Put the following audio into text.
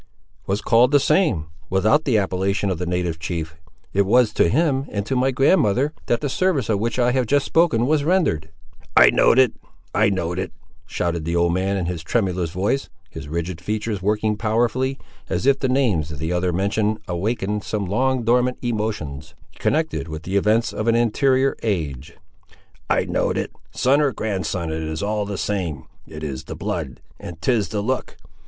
"Was called the same, without the appellation of the native chief. It was to him, and to my grandmother, that the service of which I have just spoken was rendered." "I know'd it! I know'd it!" shouted the old man, in his tremulous voice, his rigid features working powerfully, as if the names the other mentioned awakened some long dormant emotions, connected with the events of an anterior age. "I know'd it! son or grandson, it is all the same; it is the blood, and 'tis the look!